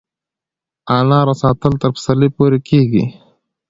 د انارو ساتل تر پسرلي پورې کیږي؟